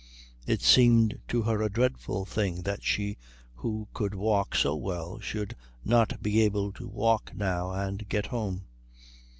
It seemed to her a dreadful thing that she who could walk so well should not be able to walk now and get home.